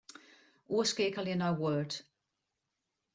Oerskeakelje nei Word.